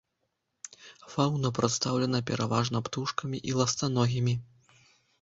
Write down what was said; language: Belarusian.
Фаўна прадстаўлена пераважна птушкамі і ластаногімі.